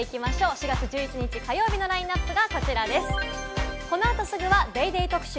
４月１１日火曜日のラインナップです。